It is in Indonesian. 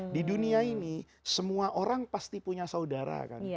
di dunia ini semua orang pasti punya saudara kan